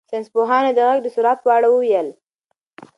ساینس پوهانو د غږ د سرعت په اړه وویل.